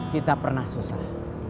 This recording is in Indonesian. kita pernah susah